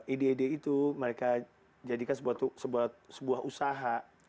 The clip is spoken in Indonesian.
ide ide itu mereka jadikan sebuah usaha